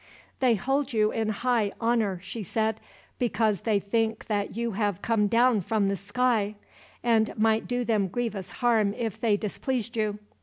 "They hold you in high honor," she said, "because they think that you have come down from the sky, and might do them grievous harm if they displeased you.